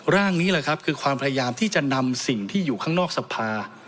ร่างนี้แหละครับคือความพยายามที่จะนำสิ่งที่อยู่ข้างนอกสภา